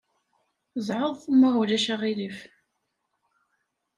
Zɛeḍ, ma ulac aɣilif.